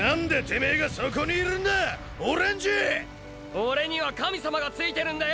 オレには神様がついてるんだよ！！